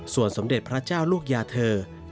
ส่วนสมเด็จพระเจ้าลูกยาเธอ